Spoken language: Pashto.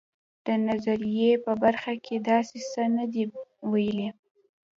د نظریې په برخه کې داسې څه نه دي ویلي.